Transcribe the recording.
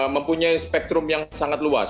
mempunyai spektrum yang sangat luas